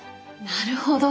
なるほど。